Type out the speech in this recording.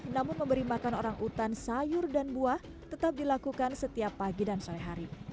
namun memberi makan orang utan sayur dan buah tetap dilakukan setiap pagi dan sore hari